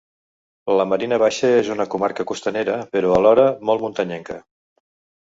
La Marina Baixa és una comarca costanera, però alhora molt muntanyenca.